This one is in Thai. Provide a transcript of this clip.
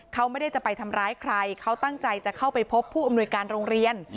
เขาไม่ได้จะไปทำร้ายใครเขาตั้งใจจะเข้าไปพบผู้อำนวยการโรงเรียน